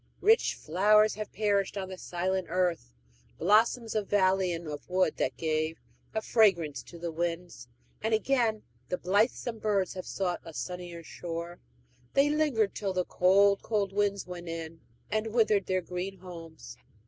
"Rich flowers have perished on the silent earth Blossoms of valley and of wood that gave A fragrance to the winds." And again: "The blithesome birds have sought a sunnier shore; They lingered till the cold cold winds went in And withered their green homes."